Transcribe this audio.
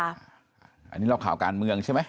อันนี้เราข่าวการเมืองใช่ไหม